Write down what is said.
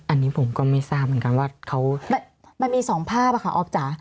อันนี้ผมก็ไม่ทราบเหมือนกันว่ามันมีสองภาพอะค่ะอ๊อฟจ๊ะ